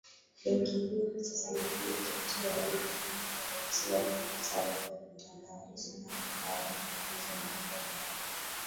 "Benki hiyo kwa sasa inafanya utafiti wa awali kufahamu kuruhusiwa kwa sarafu za kimtandao" alisema Andrew Kaware mkurugenzi wa malipo ya taifa